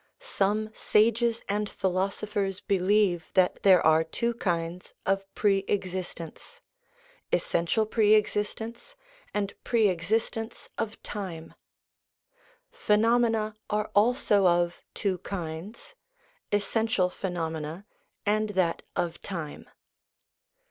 Some sages and philosophers believe that there are two kinds of pre existence: essential pre existence and pre existence of time. Phenomena are also of two kinds, essential phenomena and that of time.